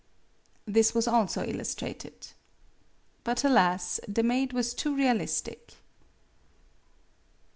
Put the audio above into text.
This was also illustrated. But, alas ! the maid was too realistic.